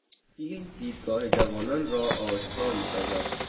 فیلم دیدگاه جوانان را آشکار میسازد.